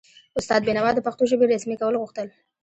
استاد بینوا د پښتو ژبې رسمي کول غوښتل.